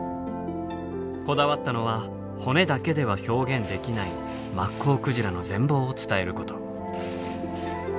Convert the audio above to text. こだわったのは骨だけでは表現できないマッコウクジラの全貌を伝えること。